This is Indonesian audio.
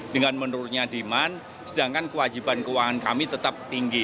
dengan menurunnya demand sedangkan kewajiban keuangan kami tetap tinggi